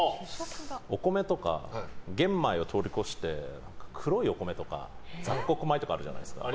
お米とか玄米を通り越して黒いお米とか、雑穀米とかあるじゃないですか。